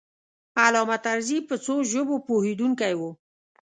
علامه طرزی په څو ژبو پوهېدونکی و.